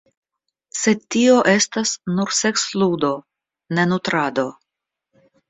Sed tio estas nur seksludo, ne nutrado.